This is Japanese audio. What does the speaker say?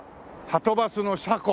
はとバスの車庫。